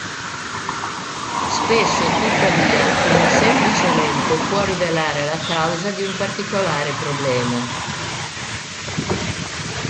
Spesso, tuttavia, una semplice lente può rivelare la causa di un particolare problema.